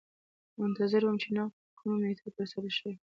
منتظر وم چې نقد په کوم میتود ترسره شوی.